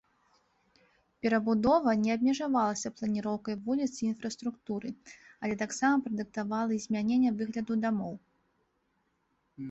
Перабудова не абмежавалася планіроўкай вуліц і інфраструктуры, але таксама прадыктавала і змяненне выгляду дамоў.